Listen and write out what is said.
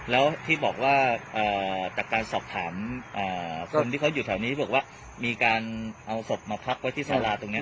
แล้วที่บอกว่าจากการสอบถามคนที่เขาอยู่แถวนี้บอกว่ามีการเอาศพมาพักไว้ที่สาราตรงนี้